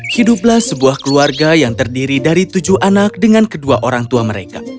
hiduplah sebuah keluarga yang terdiri dari tujuh anak dengan kedua orang tua mereka